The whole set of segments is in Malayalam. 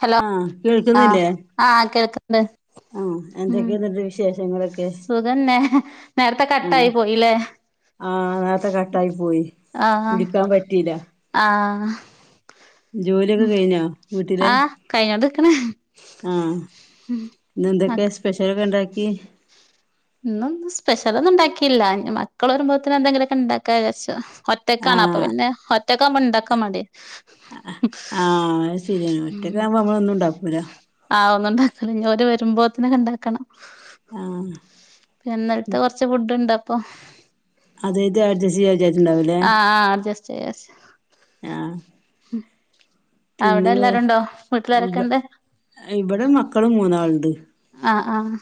ഹലോ ആഹ് ആ ആ കേൾക്ക ആ എന്തൊക്കെയിണ്ടന്റെ വിശേഷം സുഖന്നെ നേരത്തെ കട്ടായി പോയില്ലേ ആ നേരത്തെ കട്ടായി പോയി വിളിക്കാൻ പറ്റീല്ല ആ കഴിഞ്ഞോണ്ടിക്കണേ ആ ഇന്നെന്തൊക്കെയാ സ്പെഷ്യലൊക്കെ ഇണ്ടാക്കി ഇന്നൊന്നും സ്പെഷലന്നും ഉണ്ടാക്കയില്ല മക്കള് വരുമ്പോത്തേന് എന്തെങ്കിലൊക്കെ ഇണ്ടാക്കാ വിചാരിച്ചു ഒറ്റക്കാണ അപ്പൊ ആഹ് പിന്നെ ഒറ്റക്കാമ്പോണ്ടാക്കാൻ മടി ആ ശരിയാണ് ഒറ്റക്കാമ്പോ നമ്മളൊന്നും ഉണ്ടാക്കൂലാ ണ്ടാക്കണം ഓര് വരുമ്പോത്ത്നേക്കിണ്ടാക്കണം ആഹ ന്നലത്തെ കൊറച്ച് ഫുഡ് ഇണ്ട് അപ്പൊ. ആഹ് [unintelligible] [unintelligible] ആഹ ഉം പിന്നെറെ ഇബ ഇബടെ മക്കള് മൂന്നാളുണ്ട്. ആഹ്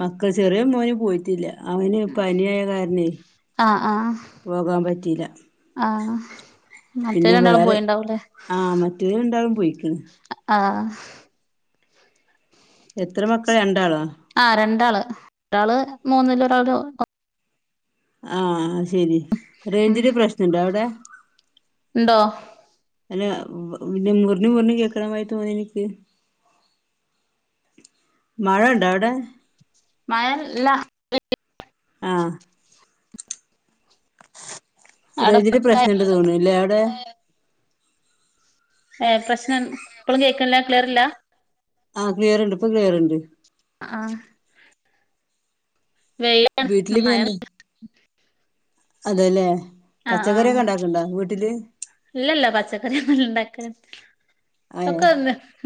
മക്കൾ ചെറിയ മോന് പോയിട്ടില്ല അവന്പനിയായ കാരനെയ് പോകാൻ പറ്റീല ആഹ മറ്റേ രണ്ടാളും പോയിണ്ടാവുംല്ലേ ആഹ് മറ്റേത് രണ്ടാളും പോയിക്ക്ണ് ആഹ എത്ര മക്കൾ രണ്ടാളോ? രണ്ടാള് ഒരാള് മൂന്നില് ഒരാള് ഒ ആഹ് [unintelligible] ഉം ഉണ്ടോ അല്ല പിന്നെ മുറിഞ്ഞു മുറിഞ്ഞു കേക്കണമായി തോന്നി എനിക്ക് മഴ ഇണ്ടോ അവിടെ മയല്ല ആ രജിന്റെ അവിടെ പ്രശ്നണ്ട് തോന്നു ഇല്ലേ അവിടെ പ്രശ്നം ഇപ്പോളും കേക്കുന്നില്ല ക്ലിയർല്ല ക്ലിയർണ്ട് ഇപ്പൊ ക്ലിയർണ്ട് ആ വെയില വീട്ടില് മയ പിന്നെ അതെല്ലേ പച്ചക്കറിയൊക്കെ ഉണ്ടാക്ക്ണ്ടോ വീട്ടില് ഇല്ല ഇല്ലപച്ചകറിഒന്ന്ഉണ്ടക്ക്ണ്ല്ല ഏഹ് ഒക്കെ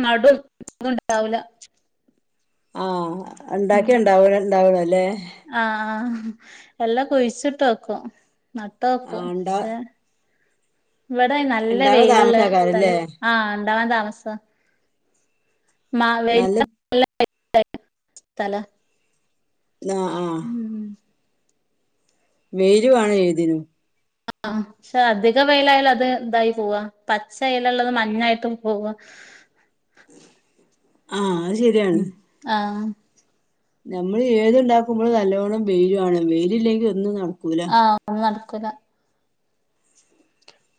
നടുന്നുണ്ടാവുല ആ ഉണ്ടാക്കി ഉണ്ടാവൂല ഉണ്ടാവണ ല്ലേ ആ ആ് എല്ലാം കുഴിച്ചിട്ട് നൊക്കും നട്ടോക്കും ആഹ് ഉണ്ടാ പക്ഷേ ഇവിടെ നല്ല ഉണ്ടാവ വെയിലുള്ള താമസാക്കാരല്ലേ സ്ഥലം ആ ഉണ്ടാവാൻ താമസം മാ വേലി നല്ല [unintelligible] സ്ഥല ആ വെയ്ലുവേണം ഏതിനു ആ ക്ഷെ അധിക വയിലായാലും അത് ഇതായി പോവ പച്ച എലള്ളത് മഞ്ഞായിട്ടും പോവാ ആ ഉം ആ നമ്മള് ഏത് ഉണ്ടാക്കുമ്പോളും നല്ലവോണം വെയ്ലുവേണം വെയ്ളില്ലെങ്കി ഒന്നുങ്ങട്ട് ആ ഒന്നും നടക്കൂല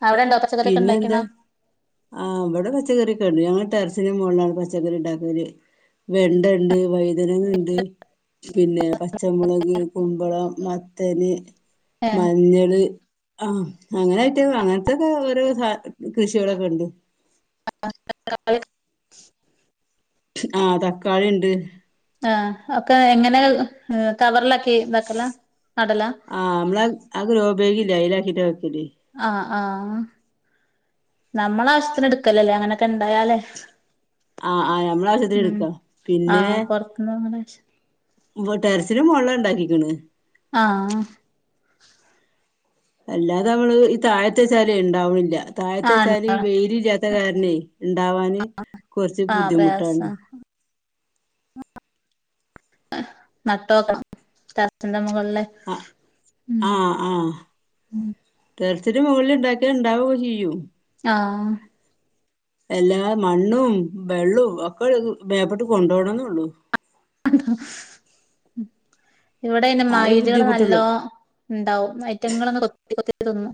അവിടെണ്ടോ പച്ചക്കറിയൊക്കെ പിന്നെ എന്തേ ഇണ്ടാക്കീണോ ആ ഇബടെ പച്ചക്കറി ണ്ട് ഞങ്ങൾ ടെറസിനന് മുകളിലാണ് പച്ചക്കറി ഉണ്ടാക്കല് വെണ്ട ഉണ്ട് വൈതനങ്ങ ഉണ്ട് പിന്നെ പച്ചമുളക് കുമ്പളം മത്തന് ഏഹ് മഞ്ഞള് ആ അങ്ങനൊയിട്ട് അങ്ങനത്തെ ഓരോ സ കൃഷികളൊക്കെ ഉണ്ട് [inaudible] ആഹതക്കാളിണ്ട് ആ ഒക്കെ എങ്ങനെ കവർലാക്കി ആ നമ്മള ആ ഗ് രൊ ബാക് ലെ അയിലക്കിട്ടാ വക്കല് ആഹ് ആഹ് നമ്മളാവ്ശ്യത്തിന് ഇട്ക്കല ല്ലേ അങ്ങനൊക്കെ ഇണ്ടായാല് ആഹ് ആഹ് നമ്മളെ ആവശ്യത്തിന് ഉം എടുക്കാ ആ പൊർത്ത്ന്ന്ങ്ങനെ ഉം ടെർസിൻ്റെ മോൾള്ളാ ഇണ്ടാക്കിക്ക്ണ് ആഹ് എല്ലാതെ അവള് താഴത്തെച്ചാലെ ഇണ്ടാവ്ണില്ല ആഹ് താഴത്തെച്ചാല് ഈ വെയ്ല് ഇല്ലാത്ത കാര്ണെ ഇണ്ടാവാന് കൊർച്ച് ബുദ്ധിമുട്ടാണ് നാട്ടോക്കണം ടെറസിൻ്റെ മുകളിൽ അ ആ ആഹ് കേൾ ഒത്തിരി മുകൾ ഇണ്ടാക്യാ ഇണ്ടാവൊക്കെ ചെയ്യും ആഹ് എല്ലാ മണ്ണും വെള്ളും ഒക്കെ മേപ്പെട്ട് കൊണ്ടോണന്നൊള്ളൂ ഇവിടെ ഐന് ആ ഒരു മൈലള് ബുദ്ധിമുട്ടുള്ളൂ നല്ലോ ഇണ്ടാവും ഐറ്റങ്ങളങ്ങ് കൊത്തി കൊത്തി തിന്നും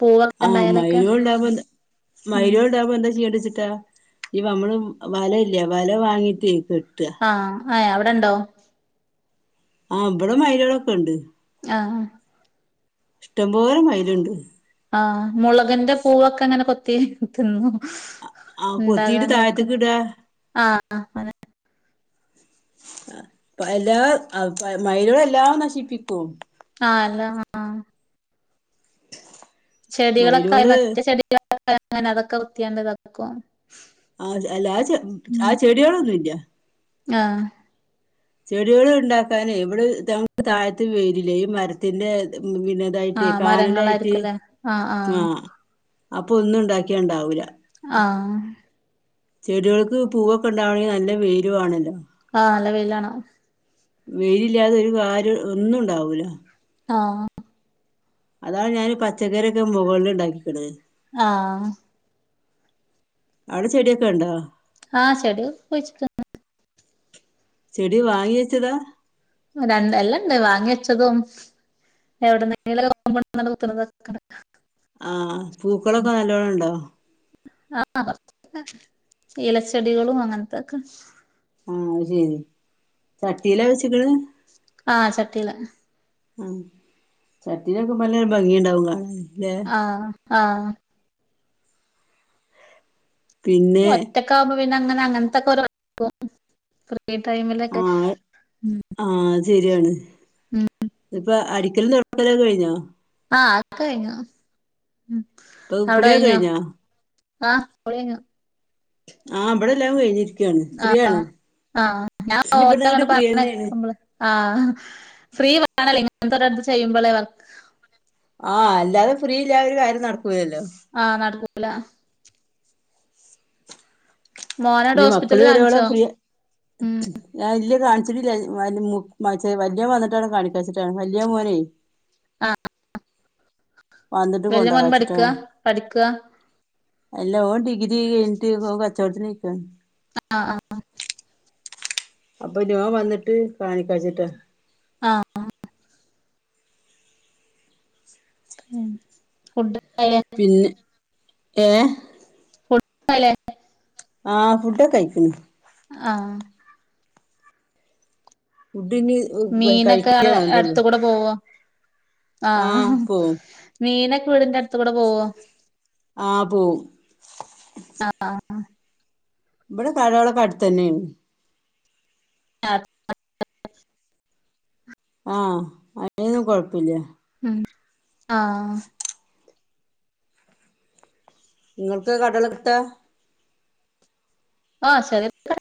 പൂവൊക്കെ ആഹ് ഉണ്ടായാലൊക്കെ മൈലോൾണ്ടാവ്മ്പൊ എന്ത ഉം മൈലോൾണ്ടാവ്മ്പോ എന്താ ചെയ്യണ്ടിച്ച ട്ട അമ്മള് വല ഇല്യെ വല വാങ്ങിട്ടേ കെ ആഹ് ആ അവ്ടെണ്ടോ ആ ഇവ്ടെ മൈലെളൊക്കെണ്ട് ആഹ് ആ ഇഷ്ടമ്പോലെ മൈല്ണ്ട് ആ മുളക്ന്റെ പൂവൊക്കെങ്ങനെ കൊത്തി തിന്നും ആ കൊത്തിയിട്ട് ഇണ്ടാകാനയ്ക്കൂല താഴത്തേക്ക് ഇടാ ആ അതന്നെ എല്ലാ ആൾകാ മൈലുകളെല്ലാം നശിപ്പിക്കും ആഹ് അല്ല ആ ചെടികളൊക്കായി മയിലുകള് മറ്റ് ചെടികള് [unintelligible] അങ്ങനെ അതൊക്കെ വൃത്തിയാണ്ട് വെക്കും ആഹ് അല്ല ആ ചെ ആ ചെടികളൊന്നും ഇല്യ ആഹ് ചെടികള് ഇണ്ടാക്കാനേ ഇവ്ടെ ഞങ്ങ്ക്ക് താഴ്ത്ത് വെയ്ല്ല്യാ ഈ മരത്തിൻ്റെ ഉം പിന്നെതായിട്ട് ആഹ് കാനലായിട്ട് മരങ്ങളായിരിക്കുംല്ലേ ആഹ് ആ ആഹ് അപ്പൊ ഒന്നും ഇണ്ടാക്കിയാ ഇണ്ടാവൂല ആഹ് ചെടിൾക്ക് പൂവൊക്കെ ഇണ്ടാവണെങ്കില് നല്ല വെയില് വാണല്ലോ ആ നല്ല വെയിലാണം വെയിലില്ലാതെ ഒരു കാര്യം ഒന്നുണ്ടാവൂലാ ആഹ് അതാണ് ഞാന് പച്ചക്കറി ഒക്കെ മുകൾള്ണ്ടാക്കിക്ക്ണേ ആഹ് അവ്ടെ ചെടിക്കെ ഇണ്ടോ ആഹ് ചെടിക്കെ കുഴ്ച്ച്ട്ട്ക്ണ് ചെടി വാങ്ങി വെച്ചതാ രണ്ടു എല്ലണ്ട് വാങ്ങി വെച്ചതും എവിടെന്നേലൊക്കെ കൊണ്ടന്നാണ്ട് കുത്ത്ണത് വെക്ക്ണെ ആഹ് പൂക്കളൊക്കെ നല്ലോണം ഇണ്ടോ ആഹ് [unintelligible] ഇലച്ചെടികളും അങ്ങൻത്തൊക്കെ ആഹ് അത് ശെരി ചട്ടീലാ വെച്ച്ക്ക്ണെ ആഹ് ചട്ടീലാ ആ ചട്ടീലെക്കുമ്പൊ നല്ല ഭംഗിണ്ടാവൊള്ളൂ കാണാന് ല്ലേ ആ ആ പിന്നെ ഒറ്റക്കാവുമ്പോ പിന്നങ്ങനെ അങ്ങൻത്തൊക്കെ ഓരോ [unintelligible] ടൈമിലൊക്കെ ആഹ് ഉം ആ അത് സെരിആണ് ഉം ഇപ്പ അരി ഒലും തുറക്കാ കഴിഞ്ഞോ ആഹ അക്കെ കഴിഞ്ഞോ ഉ ഇപ്പൊ അവിടെ കുളിയൊക്കെ കഴിഞ്ഞോ ആഹ് ഒള ആഹ് ഇവിടെ ലാങ്ങ കഴഞ്ഞിരിക്ക ആഹ ആഹ് ഞാൻ ഇനി ഓരോ ഇവിടുന്ന് അങ്ങട്ട് അങ്ങോട്ട് ഫ്രീ തന്നെയാണ് പറഞ്ഞള് ആഹ ഫ്രീ വേണല്ലേ ഇങ്ങനത്തൊരടുത്ത് ചെയ്യുമ്പോളെ ആഹ അല്ലാതെ ഫ്രീ ഇല്ല ഒരു കാര്യം നടക്കൂല്ലല്ലോ അള മോനവിടെ ഇനി മക്കള് ഹോസ്പിറ്റലിൽ വരുവള കാണിച്ചോ പ്രിയ ഉം ഞാൻല് കാണ വല്ിയ വന്നിട്ടാണ് കാണിക്ക വെച്ചിട്ടാണ് വല്യ മോനേ ആഹ വന്നിട്ട് പഠിക്കാ കൊണ്ടോച്ചിട്ടാണ് പഠിക്കാ അല്ല ഓ ഡിഗ്രി കഴിഞ്ഞട്ട് കച്ചവടത്തിക്ക ആഹ ആഹ് അപ്പൊ ഞാൻ വന്നിട്ട് കാണിക്കാച്ചിട്ടാ ആഹ് ഉ ഫുഡ് ആയില്ലേ പിന്നെ ഏർ കൊടുല്ല ആഹ ഫുഡൊക്കെ കഴിക്കുന്നു ആഹ ഫുഡ് ഇനി മീനൊക്കെ കഴിക്കേ വേണ്ടുള്ളൂ അടുത്ത കൂടെ പോവോ ആ ആഹ പോവും മീനൊക്കെ വീടിന്റെ അടുത്ത് കൂടെ പോവോ ആപോ ഇവിടെ കടോളക്കാട്ട തന്നെയ ആ ആഹ അതിനൊന്നും കൊഴപ്പില്ല ആഹ നിങ്ങൾക്ക് കടൾ കിട്ട ആഹ് ശരിന്ന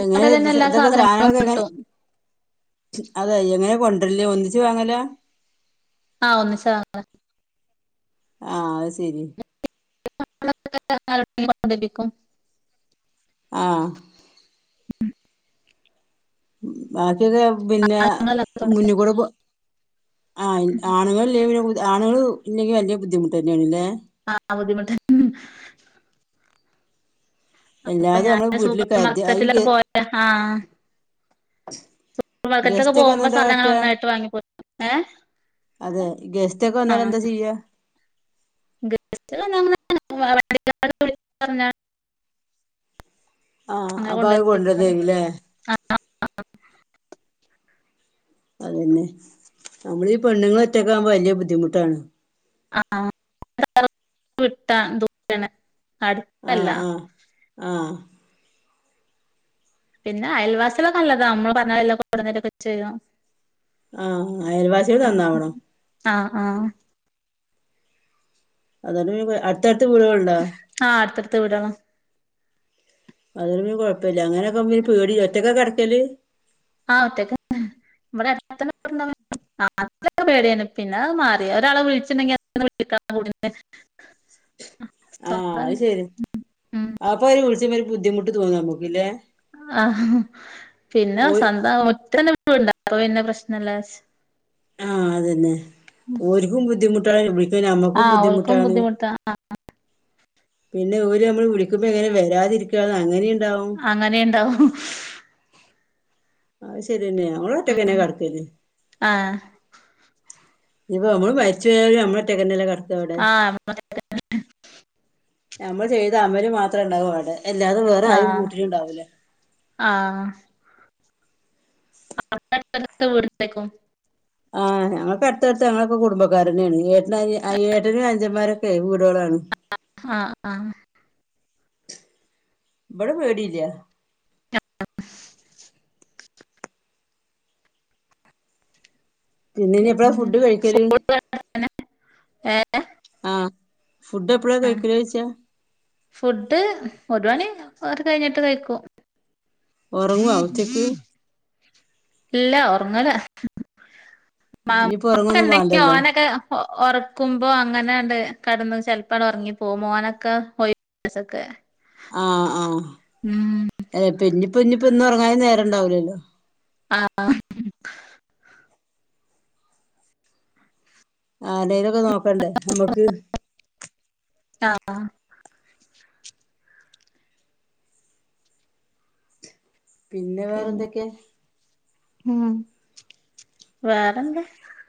എങ്ങനെ എല്ലാ ഇതൊക്കെ സാധനങ്ങളും സാധനങ്ങളൊക്കെ എങ്ങനെ കിട്ടും അതെ എങ്ങനെ കൊണ്ടരില്ലേ ഒന്നിച്ചു വാങ്ങല ആഹ് ഒന്ന് സ ആഹ അത് ശരി ലഭിക്കും ആഹ് അ പിന്നെ ഞങ്ങളില്ലാത്തോണ്ട് മുന്നൂടെ ആ ആണുങ്ങല്ലേ ആളുക ഇല്ലങ്കിൽ വലിയ ബുദ്ധിമുട്ട് തന്നെയാണ് അല്ലേ ആഹ് ബുദ്ധിമുട്ടൻ അപ്പൊ എല്ലാതെ നമ്മള് ഞാന് വീട്ടില് സൂപ്പർ കരുതി ഈ ഗ മാർക്കറ്റിലൊക്കെ പോയ ആഹ ക്കത്തൊക്കെ ഗസ്റ്റ് ഒക്കെ വന്ന പോകുമ്പോ എന്താ സ്ഥലങ്ങ കാട്ടാ ഒന്നായിട്ട് വാങ്ങിപ്പോ ഏ അതെ ഗസ്റ്റ് ഒക്കെ വന്നാാല എന്താ ചെയ്യാ ഗസ് വിള പറഞ്ഞ ആഹ് അങ്ങനെ അപ്പൊ അത് കൊണ്ടുവത്തിരിക്കും കൊണ്ടുവന്നേരുല്ലേ ആ അതന്നെ നമ്മൾീഈ പെണ്ണുങ്ങള ഒറ്റക്കാൻ വലിയ ബുദ്ധിമുട്ടാണ് ആഹ വിട്ടാ ദ അടുത്തല്ല ആഹ പിന്നെ അയൽവാസംൊക്കെ നല്ലതാ നമ്മള് പറഞ്ഞ എല്ല കൊടന്നിട്ടൊക്കെ ചെയ്യോ ആഹ അയൽവാസികട് നന്നാവണംോ ആഹ ആഹ അതാണ് അടുത്തടുത്ത് വീടുകള്ണ്ടാ എവിടാ അന്നേരം പിന്നെ കുഴപ്പമില്ല അങ്ങനെയൊക്കെ പേടി ഒറ്റക്കാ കിടക്കല് ആ ഒറ്റക്കാ ഇവിടെ അടുത്ത് പേടിയെര്ന്ന് പിന്നെ അത് മാറി ഒരാളെ വിളിച്ചിണ്ടെങ്കി [unintelligible] ആ സ്വന്തം അത് ശരി ഉം അപ്പാര് വിളിച്ച് ഒരു ബുദ്ധിമുട്ട് തോന്നും നമുക്കില്ലേ [unintelligible] ആ അതന്നെ ഒര്ക്കും ബുദ്ധിമുട്ടാണ് വി പിന്നെ നമ്മക്കും ആഹ് ഓൽക്കും ബുദ്ധിമുട്ടാണ് ബുദ്ധിമുട്ടാ പിന്നെ ഓര് നമ്മള് വിളിക്കുമ്പോ എങ്ങനെ വരാതിരിക്കുക അങ്ങനെയ് അങ്ങനെുണ്ടാവും അത് ശരിതന്നെ ഞങ്ങള് ഒറ്റക്ക് തന്നെ കിടക്കല് ആഹ് ഇപ്പൊ നമ്മള് മരിച്ച് പോയാലും നമ്മള് ഒറ്റയ്ക്ക് തന്നെ അല്ലെ കിട [inaudible] നമ്മ ചെയ്ത അവര് മാത്രം ഉണ്ടാവും അവിടെ എല്ലാതെ വേറെ ആരും ആഹ് കൂട്ടിന് ഇണ്ടാവൂലാ ആഹ് [unintelligible] ആ ഞങ്ങക്ക് അടുത്തടുത്താ ഞങ്ങളക്കെ കുടുംബക്കാര് തന്നെയാണ് ഏട്ടന് അനിയാ ഏട്ടനും അനിച്ചന്മാരും വീടുകളാണ് ആ ആ ആ ഇവിടെ പേടില്ല പിന്നെ ഇനി എപ്പോഴാ ഫുഡ് കഴിക്കല് സ്കൂള് ഏ ആ ഫുഡ് എപ്പോഴാ ആ കഴിക്കല് ചോച്ചാ ഫുഡ് ഒരു മണി അത് കഴിഞ്ഞിട്ട് കഴിക്കും ഉറങ്ങുവോ ഉച്ചക്ക് ഇല്ല ഉറങ്ങലാ [unintelligible] ഇനിയിപ്പോ ഉറങ്ങൊന്നും വേണ്ടല്ലോ കടന്ന ചെലപ്പട് ഉറങ്ങി പോവും മോനൊക്കെ ആ ആ ഉം എ പിന്നിപോ ഞ്ഞിപോ ഇന്ന് ഉറങ്ങാന് നേരം ഇണ്ടാവിലല്ലോ ആ ആ ആന്നെന്നാഓക്കേ നോക്കണ്ടേ നമ്മക്ക് ആ പിന്നെ വേറെ എന്തൊക്കെ ഉം വേറെന്താ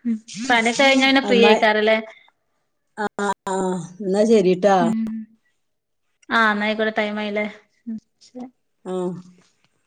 ഉം പണി കഴിഞ്ഞ പിന്നെ ഫ്രീയ ആക്കാറല്ലേ ആ ആ എന്നാ ശരിട്ടാ ഉം ആ നായിക്കൂടെ ടൈംയില്ലേ മ്മ്